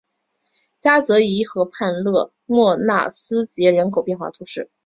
加泽伊河畔勒莫纳斯捷人口变化图示